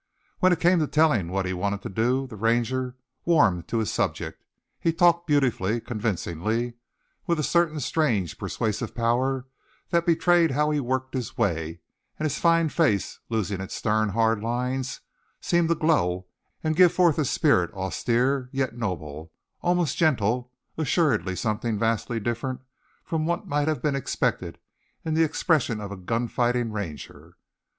When it came to telling what he wanted to do, the Ranger warmed to his subject; he talked beautifully, convincingly, with a certain strange, persuasive power that betrayed how he worked his way; and his fine face, losing its stern, hard lines, seemed to glow and give forth a spirit austere, yet noble, almost gentle, assuredly something vastly different from what might have been expected in the expression of a gun fighting Ranger.